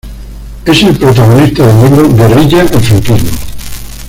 Es el protagonista del libro "Guerrilla y franquismo.